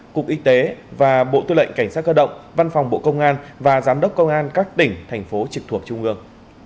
cục y tế và bộ tư lệnh cảnh sát cơ động văn phòng bộ công an và giám đốc công an các tỉnh thành phố trực thuộc trung ương